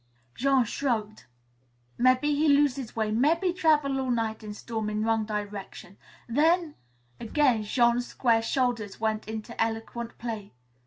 Jean shrugged. "Mebbe he lose his way. Mebbe travel all night in storm in wrong direction. Then " Again Jean's square shoulders went into eloquent play.